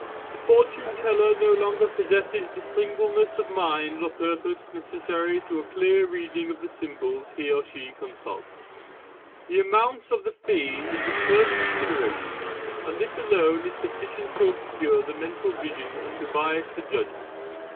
The Fortune teller no longer possesses the singleness of mind or purpose necessary to a clear reading of the symbols he or she consults. The amount of the fee is the first consideration, and this alone is sufficient to obscure the mental vision and to bias the judgment.